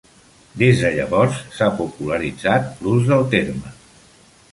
Des de llavors s'ha popularitzat l'ús del terme.